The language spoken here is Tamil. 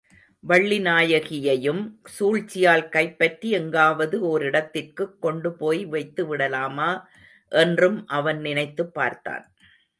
வள்ளிநாயகியையும் சூழ்ச்சியால் கைப்பற்றி எங்காவது ஓர் இடத்திற்குக் கொண்டுபோய் வைத்துவிடலாமா என்றும் அவன் நினைத்துப் பார்த்தான்.